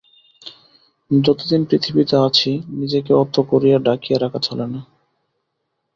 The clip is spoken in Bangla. যতদিন পৃথিবীতে আছি নিজেকে অত করিয়া ঢাকিয়া রাখা চলে না।